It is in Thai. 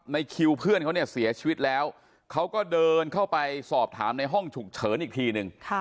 ในคิวเพื่อนเขาเนี่ยเสียชีวิตแล้วเขาก็เดินเข้าไปสอบถามในห้องฉุกเฉินอีกทีนึง